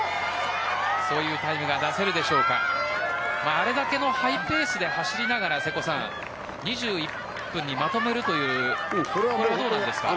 あれだけのハイペースで走りながら２１分にまとめるというのはどうでしょうか。